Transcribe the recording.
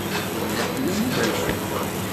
Yerna fell-am uberkan.